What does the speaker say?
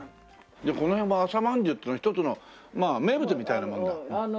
じゃあこの辺は朝まんじゅうっていうのは一つのまあ名物みたいなもんだ。